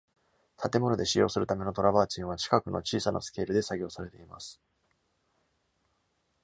建物で使用するためのトラバーチンは、近くの小さなスケールで作業されています。